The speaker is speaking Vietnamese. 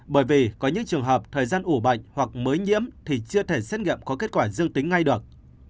bởi vì có những trường hợp thời gian ủ bệnh hoặc mới nhiễm thì chưa thể xét nghiệm có kết quả dương tính ngay được